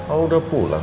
oh udah pulang